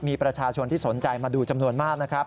มีประชาชนที่สนใจมาดูจำนวนมากนะครับ